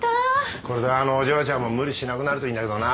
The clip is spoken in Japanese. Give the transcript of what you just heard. これであのお嬢ちゃんも無理しなくなるといいんだけどな。